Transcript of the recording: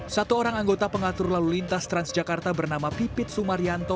satu orang anggota pengatur lalu lintas transjakarta bernama pipit sumaryanto